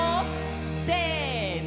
せの！